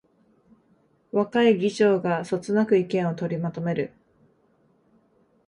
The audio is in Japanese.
若い議長がそつなく意見を取りまとめる